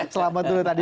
selamat dulu tadi